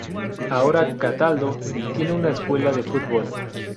Ahora Cataldo tiene una escuela de fútbol.